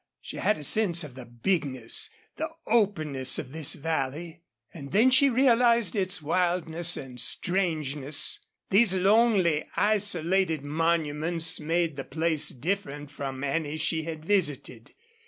She had a sense of the bigness, the openness of this valley, and then she realized its wildness and strangeness. These lonely, isolated monuments made the place different from any she had visited.